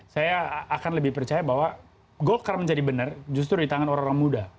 saya akan lebih percaya bahwa golkar menjadi benar justru di tangan orang orang muda